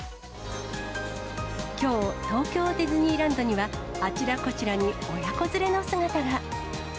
きょう、東京ディズニーランドには、あちらこちらに親子連れの姿が。